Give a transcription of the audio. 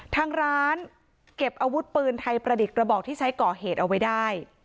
ทางร้านเก็บอาวุธปืนไทยประดิษฐ์กระบอกที่ใช้ก่อเหตุเอาไว้ได้